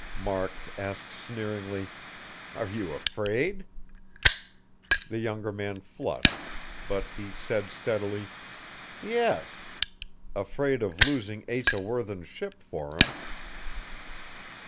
Mark asked sneeringly: "Are you afraid?" The younger man flushed; but he said steadily: "Yes. Afraid of losing Asa Worthen's ship for him."